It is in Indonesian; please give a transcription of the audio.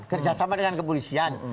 kerjasama dengan kepolisian